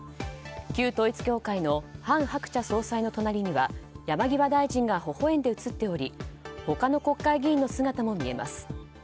旧統一教会の韓鶴子総裁の隣には山際大臣がほほ笑んで写っており他の国会議員の姿も見えます。